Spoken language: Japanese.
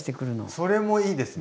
それもいいですね。